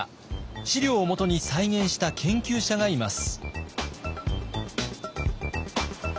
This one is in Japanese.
史料をもとに再現した研究者がいます。